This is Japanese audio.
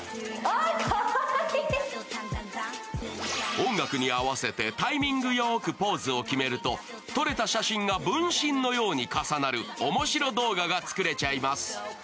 音楽に合わせてタイミングよくポーズを決めると、撮れた写真が分身のように重なる面白動画が作れちゃいます。